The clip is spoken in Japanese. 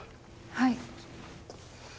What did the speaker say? はい。